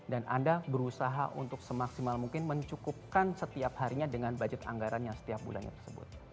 dan anda berusaha untuk semaksimal mungkin mencukupkan setiap harinya dengan budget anggarannya setiap bulannya tersebut